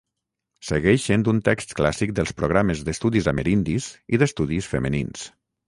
Segueix sent un text clàssic dels programes d'estudis amerindis i d'estudis femenins.